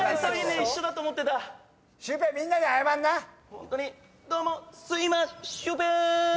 ホントにどうもすいまシュウペーイ！